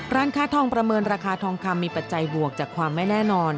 ร้านค้าทองประเมินราคาทองคำมีปัจจัยบวกจากความไม่แน่นอน